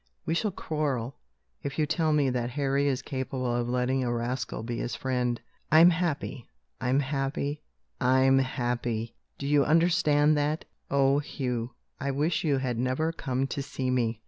We shall quarrel, if you tell me that Harry is capable of letting a rascal be his friend. I'm happy; I'm happy; I'm happy! do you understand that? Oh, Hugh, I wish you had never come to see me!"